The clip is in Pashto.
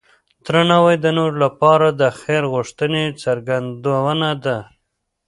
درناوی د نورو لپاره د خیر غوښتنې څرګندونه ده.